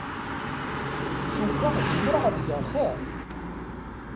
Cukkeɣ zemreɣ ad geɣ xir.